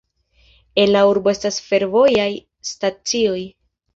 En la urbo estas fervojaj stacioj.